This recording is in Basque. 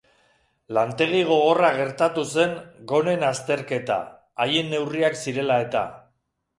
Lantegi gogorra gertatu zen gonen azterketa, haien neurriak zirela eta.